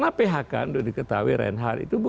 jadi momok bagi perusahaan artinya